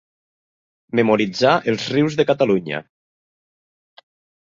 Memoritzar els rius de Catalunya.